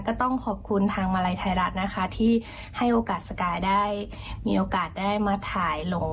ก็ต้องขอบคุณทางมาลัยไทยรัฐนะคะที่ให้โอกาสสกายได้มีโอกาสได้มาถ่ายลง